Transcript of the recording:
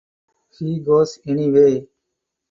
He goes anyway.